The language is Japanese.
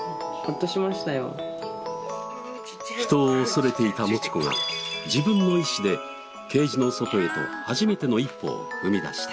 人を恐れていたもち子が自分の意思でケージの外へと初めての一歩を踏み出した。